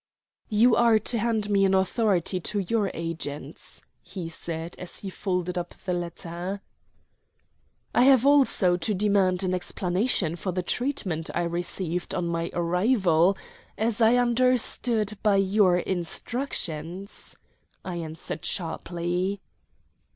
"You are to hand me an authority to your agents," he said as he folded up the letter. "I have also to demand an explanation for the treatment I received on my arrival, as I understood, by your instructions," I answered sharply.